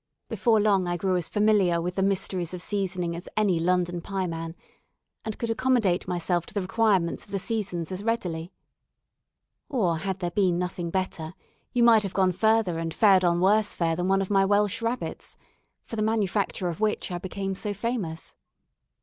Before long I grew as familiar with the mysteries of seasoning as any London pieman, and could accommodate myself to the requirements of the seasons as readily. Or had there been nothing better, you might have gone further and fared on worse fare than one of my Welch rabbits, for the manufacture of which I became so famous.